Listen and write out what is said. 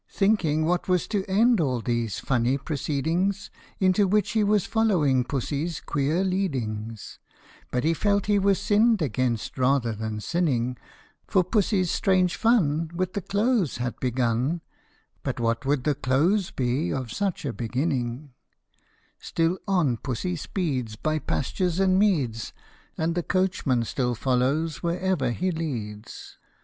Thinking what was to end all these funny proceedings Into which he was following Pussy's queer leadings ; But he felt he was sinned against rather than sinning ; For Pussy strange fun With the clothes had begun, But what would the close be of such a beginning Still on Pussy speeds By pastures and meads, And the coachman still follows wherever he leads.